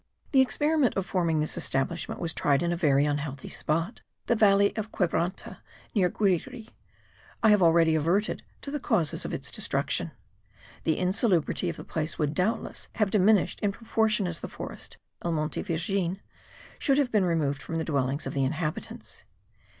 The experiment of forming this establishment was tried in a very unhealthy spot, the valley of Quebranta, near Guirie; I have already adverted to the causes of its destruction. The insalubrity of the place would, doubtless, have diminished in proportion as the forest (el monte virgen) should have been removed from the dwellings of the inhabitants.